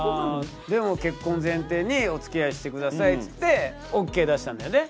でも結婚前提におつきあいして下さいって言ってＯＫ出したんだよね？